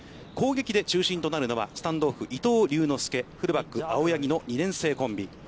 攻撃で中心となるのはスタンドオフ、伊藤龍之介、フルバック青柳の２年生コンビ。